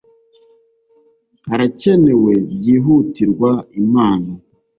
harakenewe byihutirwa impano